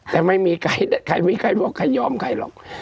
แต่ไม่มีใครใครมีใครบอกใครยอมใครหรอก